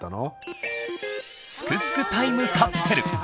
すくすくタイムカプセル！